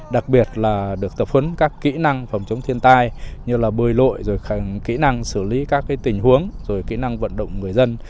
đặc biệt là được tập huấn các kỹ năng phòng chống thiên tai như là bơi lội rồi kỹ năng xử lý các tình huống rồi kỹ năng vận động người dân